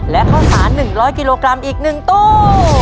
และข้าวสาร๑๐๐กิโลกรัมอีก๑ตู้